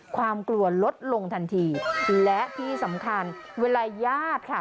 ความกลัวลดลงทันทีและที่สำคัญเวลาญาติค่ะ